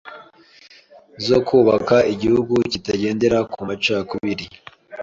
zo kubaka igihugu kitagendera ku macakubiri,